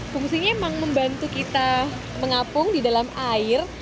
fungsinya memang membantu kita mengapung di dalam air